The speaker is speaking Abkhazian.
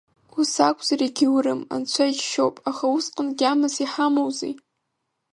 Ус акәзар егьоурым, Анцәа иџьшьоуп, аха усҟан гьамас иҳамоузеи?